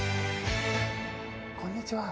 こんにちは。